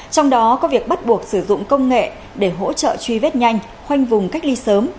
trong đó có việc bắt buộc sử dụng công nghệ để hỗ trợ truy vết nhanh khoanh vùng cách ly sớm